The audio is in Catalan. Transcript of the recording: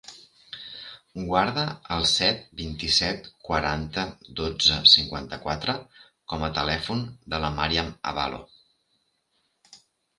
Guarda el set, vint-i-set, quaranta, dotze, cinquanta-quatre com a telèfon de la Màriam Abalo.